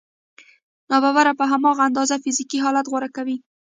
ناببره په هماغه اندازه فزيکي حالت غوره کوي.